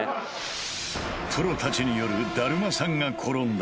プロたちによる「だるまさんが転んだ」